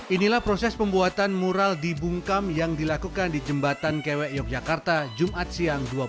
inilah proses pembuatan mural di bungkam yang dilakukan di jembatan kewek yogyakarta jumat siang